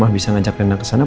nah sama ada anak tinggi